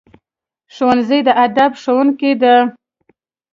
ښوونځی د ادب ښوونکی دی